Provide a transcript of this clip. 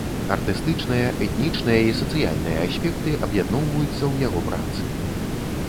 Артыстычныя, этнічныя і сацыяльныя аспекты аб'ядноўваюцца ў яго працы.